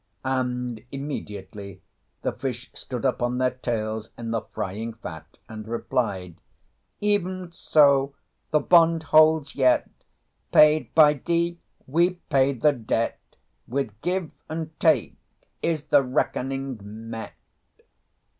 And immediately the fish stood up on their tails in the frying fat and replied "Even so, the bond holds yet; Paid by thee, we pay the debt. With give and take is the reckoning met."